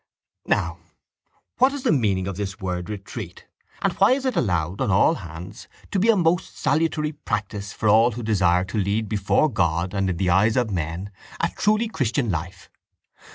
—Now what is the meaning of this word retreat and why is it allowed on all hands to be a most salutary practice for all who desire to lead before God and in the eyes of men a truly christian life?